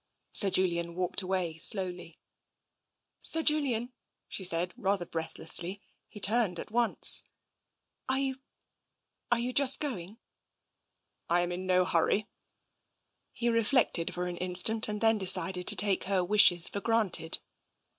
Sir Julian walked away slowly. " Sir Julian !" she said, rather breathlessly. He turned at once. "Are you — are you just going?" " I am in no hurry." He reflected for an instant and then decided to take her wishes for granted.